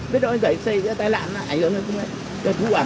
với đội giải xây tai nạn nó ảnh hưởng đến chúng đấy